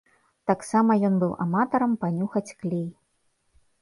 Таксама ён быў аматарам панюхаць клей.